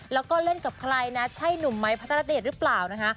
แล้วก็เล่นกับใครนะใช่หนุ่มไม้พัทรเดชหรือเปล่านะคะ